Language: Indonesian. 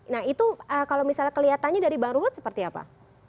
nah itu kalau misalnya kelihatannya dari baruhut seperti apa